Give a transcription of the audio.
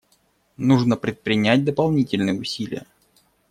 Нужно предпринять дополнительные усилия.